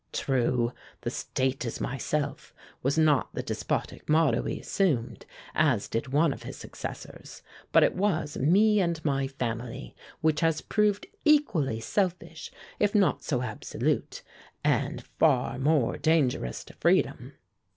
True, 'The State is myself,' was not the despotic motto he assumed, as did one of his successors, but it was 'Me and my family,' which has proved equally selfish, if not so absolute, and far more dangerous to freedom.